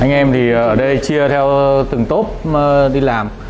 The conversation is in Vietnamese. anh em thì ở đây chia theo từng tốp đi làm